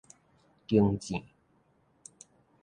弓箭